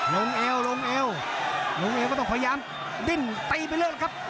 เอวลงเอวลงเอวก็ต้องพยายามดิ้นตีไปเรื่อยครับ